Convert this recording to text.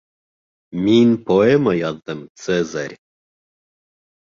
Мин поэма яҙҙым, Цезарь.